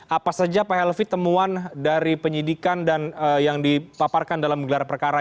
apa saja pak helvi temuan dari penyidikan dan yang dipaparkan dalam gelar perkara